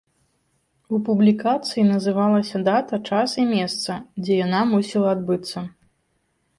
У публікацыі называлася дата, час і месца, дзе яна мусіла адбыцца.